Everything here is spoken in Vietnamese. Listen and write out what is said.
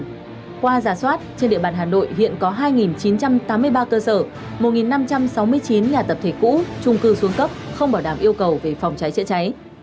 ngoài ra soát trên địa bàn hà nội hiện có hai chín trăm tám mươi ba cơ sở một năm trăm sáu mươi chín nhà tập thể cũ trung cư xuống cấp không bảo đảm yêu cầu về phòng cháy chữa cháy